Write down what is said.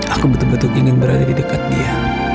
aku betul betul ingin berada di dekat dia